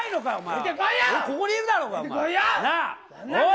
ここにいるだろうが、おい。